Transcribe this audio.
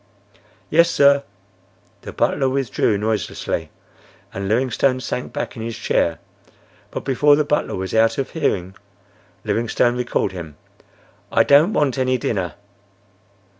"Yes, sir." The butler withdrew noiselessly, and Livingstone sank back in his chair. But before the butler was out of hearing Livingstone recalled him. "I don't want any dinner."